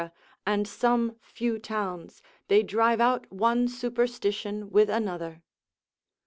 and some few towns, they drive out one superstition with another.